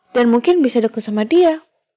dan mungkin bisa deket sama dia